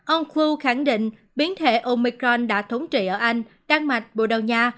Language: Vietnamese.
ông fu khẳng định biến thể omicron đã thống trị ở anh đan mạch bồ đào nha